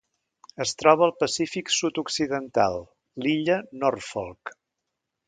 Es troba al Pacífic sud-occidental: l'illa Norfolk.